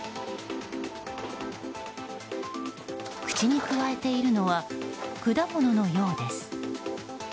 口にくわえているのは果物のようです。